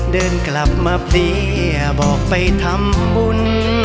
เดินกลับมาเพลียบอกไปทำบุญ